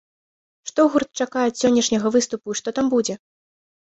Што гурт чакае ад сённяшняга выступу і што там будзе?